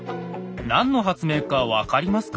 何の発明か分かりますか？